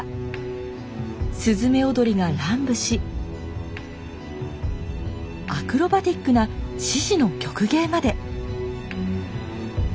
雀踊りが乱舞しアクロバティックな獅子の曲芸まで！